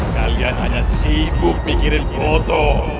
kalian hanya sibuk pikirin foto